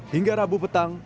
hingga rabu petang